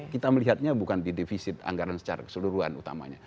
kita melihatnya bukan di defisit anggaran secara keseluruhan utamanya